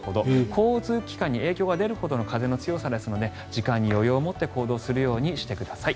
交通機関に影響が出るほどの風の強さですので時間に余裕を持って行動するようにしてください。